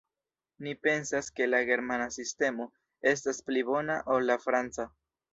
Ni pensas ke la germana sistemo estas pli bona ol la franca.